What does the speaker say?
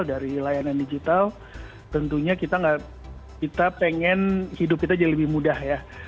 dari layanan digital tentunya kita pengen hidup kita jadi lebih mudah ya